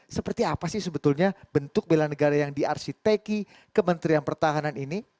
seperti apa sih sebetulnya bentuk bela negara yang diarsiteki kementerian pertahanan ini